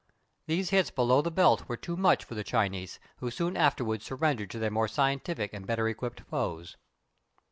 These hits "below the belt" were too much for the Chinese, who soon afterwards surrendered to their more scientific and better equipped foes.